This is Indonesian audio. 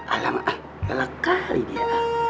alamak lelakari dia